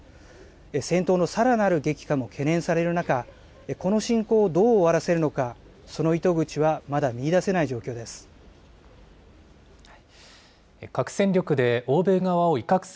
戦闘のさらなる激化も懸念される中、この侵攻をどう終わらせるのか、その糸口はまだ見いだせない状況です。